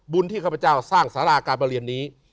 ที่ข้าพเจ้าสร้างสาราการประเรียนนี้